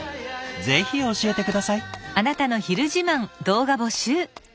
ぜひ教えて下さい。